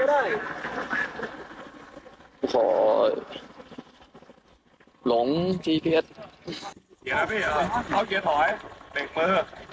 รถไฟบอกพี่๑๙๑ก็ได้พี่หรืออะไรก็ได้